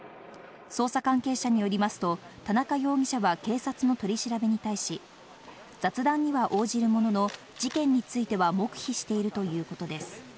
捜査関係者によりますと、田中容疑者は警察の取り調べに対し、雑談には応じるものの、事件については黙秘しているということです。